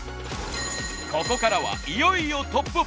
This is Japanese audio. ここからはいよいよトップ５。